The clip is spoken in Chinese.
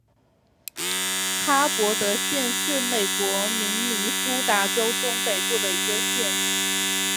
哈伯德县是美国明尼苏达州中北部的一个县。